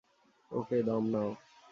ওকে, দম নাও!